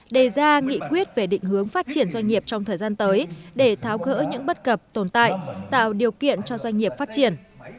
đề ra nghị quyết về định hướng phát triển doanh nghiệp trong thời gian tới để tháo gỡ những bất cập tồn tại tạo điều kiện cho doanh nghiệp phát triển